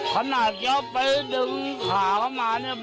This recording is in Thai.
ขนาดเขาไปดึงขาเขามาเนี่ย